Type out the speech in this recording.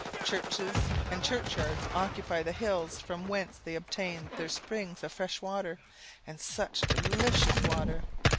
Churches and churchyards occupy the hills from whence they obtain their springs of fresh water, and such delicious water!